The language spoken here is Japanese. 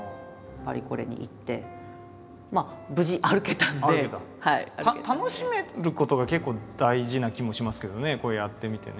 パリコレに行って楽しめることが結構大事な気もしますけどねやってみてね。